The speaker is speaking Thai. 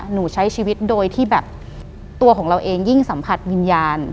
หนูใช้ชีวิตโดยที่แบบตัวของเราเองยิ่งสัมผัสวิญญาณ